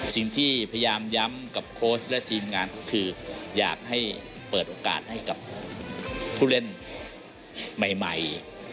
สิ่งที่พยายามย้ำกับโค้ชและทีมงานก็คืออยากให้เปิดโอกาสให้กับผู้เล่นใหม่